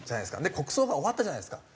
で国葬が終わったじゃないですか。